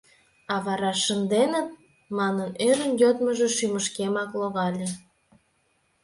А вара «шынденыт?» манын ӧрын йодмыжо шӱмышкемак логале...